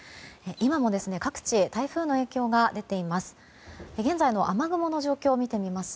今も、各地台風の影響が出ています。